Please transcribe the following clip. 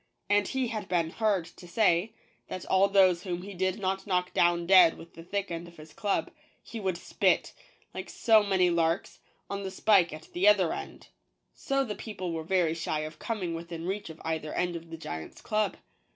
And he had been heard to say, that all those whom he did not knock down dead with the thick end of his club, he would spit, like so many larks, on the spike at the other end; so the 107 JACK THE GIANT KILLER. people were very shy of coming within reach of either end of the giant's club.